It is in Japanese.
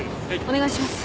お願いします。